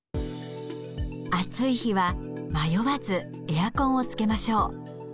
暑い日は迷わずエアコンをつけましょう。